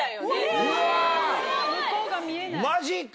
マジか！